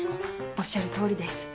おっしゃるとおりです。